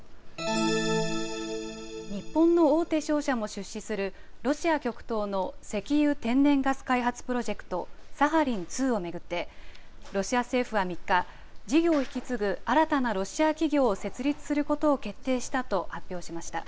日本の大手商社も出資するロシア極東の石油・天然ガス開発プロジェクト、サハリン２を巡って、ロシア政府は３日、事業を引き継ぐ新たなロシア企業を設立することを決定したと発表しました。